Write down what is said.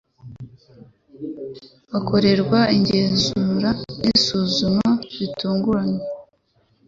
bakorerwa ingenzura n isuzuma bitunguranye